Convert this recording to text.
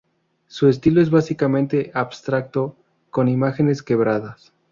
Su estilo es básicamente abstracto, con imágenes quebradas.